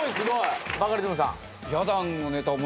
バカリズムさん。